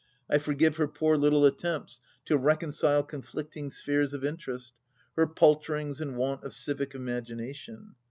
I forgive her poor little attempts to reconcile conflicting spheres of interest — her palterings, and want of civic imagination.